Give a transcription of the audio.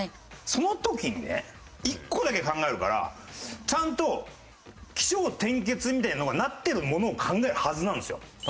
その時にね１個だけ考えるからちゃんと起承転結みたいなのがなってるものを考えるはずなんですよ。